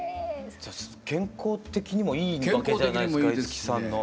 健康的にもいいわけじゃないですか五木さんの。